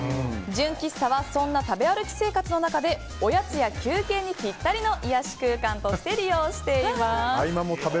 純喫茶はそんな食べ歩き生活の中でおやつや休憩にぴったりの癒やし空間として利用しています。